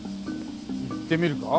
行ってみるか？